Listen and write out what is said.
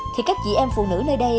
thì các chị em phụ nữ nơi đây